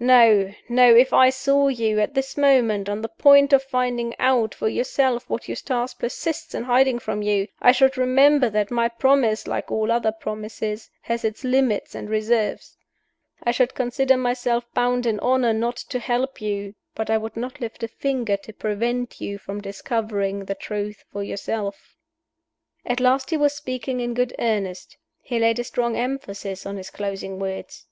No! no! if I saw you, at this moment, on the point of finding out for yourself what Eustace persists in hiding from you, I should remember that my promise, like all other promises, has its limits and reserves. I should consider myself bound in honor not to help you but I would not lift a finger to prevent you from discovering the truth for yourself." At last he was speaking in good earnest: he laid a strong emphasis on his closing words.